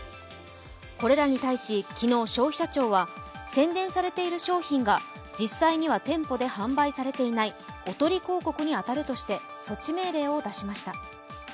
これらに対し昨日、消費者庁は宣伝されている商品が宣伝されている商品が実際には店舗で販売されていないおとり広告に当たるとして措置命令を出しました。